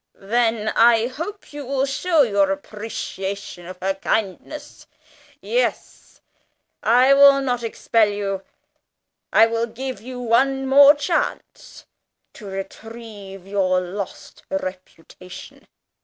"Then I hope you will show your appreciation of her kindness. Yes, I will not expel you. I will give you one more chance to retrieve your lost reputation.